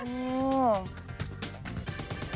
อื้อ